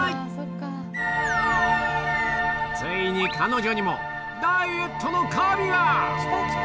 ついに彼女にもダイエットの神が！